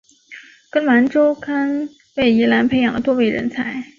噶玛兰周刊为宜兰培养了多位人才。